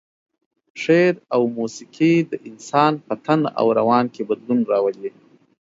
شعر او موسيقي د انسان په تن او روان کې بدلون راولي.